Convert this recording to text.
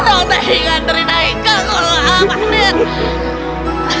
orangnya ingat dari haikal kalau amatnya